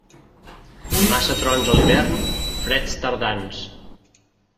Massa trons a l'hivern, freds tardans.